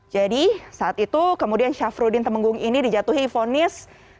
jadi saat itu kemudian syafruddin temenggung ini dijatuhi fonis